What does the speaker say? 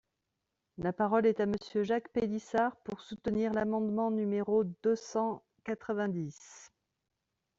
La parole est à Monsieur Jacques Pélissard, pour soutenir l’amendement numéro deux cent quatre-vingt-dix.